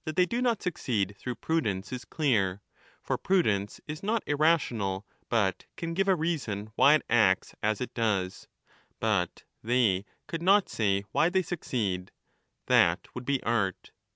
f^ they do not succeed through prudence is clear, for prudence is not irrational but can give a reason why it acts as it does ; but they could not say why they succeed ; that 15 would be art.